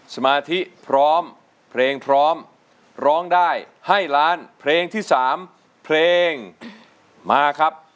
สมาธิพร้อมเพลงพร้อมร้องได้ให้ล้านเพลงที่๓เพลงมาครับ